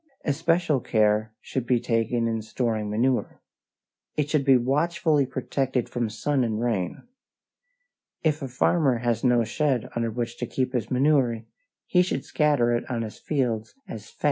Especial care should be taken in storing manure. It should be watchfully protected from sun and rain. If a farmer has no shed under which to keep his manure, he should scatter it on his fields as fast as it is made.